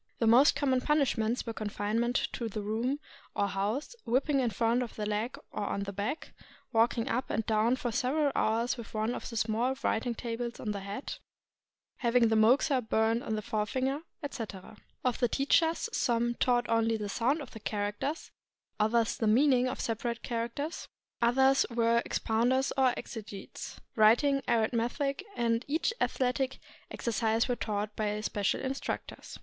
The most common punishments were confinement to the room or house, whipping on the front of the leg or on the back, walking up and down for several hours with one of the small writing tables on the head, having the moxa burned on the forefinger, etc. Of the teachers, some taught only the sound of the characters, others the mean ing of the separate characters, others were expounders or exegetes. Writing, arithmetic, and each athletic exercise were taught by special instructors.